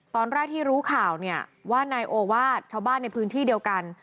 ตอนแรกที่รู้ข่าวเนี่ยว่านายโอวาสชาวบ้านในพื้นที่เดียวกัน